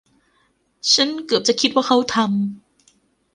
ฉันเกือบจะคิดว่าเขาทำ